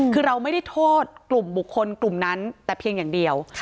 คือเราไม่ได้โทษกลุ่มบุคคลกลุ่มนั้นแต่เพียงอย่างเดียว